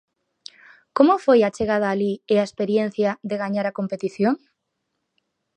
Como foi a chegada alí e a experiencia de gañar a competición?